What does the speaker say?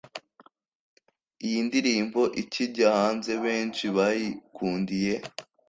iyi ndirimbo ikijya hanze benshi bayikundiye